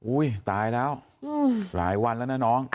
ตายแล้วหลายวันแล้วนะน้อง